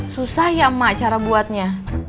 susah ya mak cara buatnya